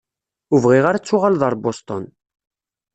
Ur bɣiɣ ara ad tuɣaleḍ ar Boston.